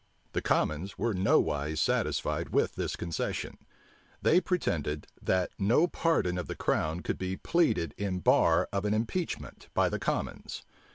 The commons were nowise satisfied with this concession They pretended, that no pardon of the crown could be pleaded in bar of an impeachment, by the commons.